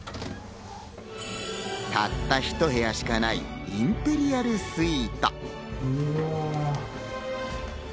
たった１部屋しかないインペリアルスイート。